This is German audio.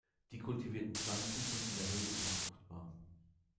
Die kultivierten Pflanzen sind in der Regel unfruchtbar.